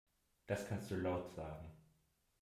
Das kannst du laut sagen.